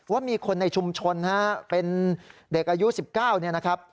ว่ามีคนในชุมชนเป็นเด็กอายุ๑๙นะครับ